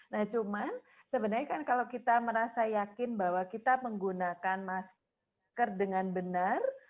nah cuman sebenarnya kan kalau kita merasa yakin bahwa kita menggunakan masker dengan benar